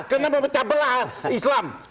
karena memecah belah islam